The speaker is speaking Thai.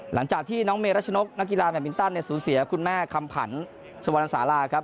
หลังจากที่น้องเมรัชนกนักกีฬาแมทมินตันเนี่ยสูญเสียคุณแม่คำผันสุวรรณสาราครับ